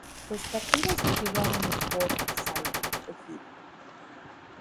Los partidos se jugaron en Port Said, Egipto.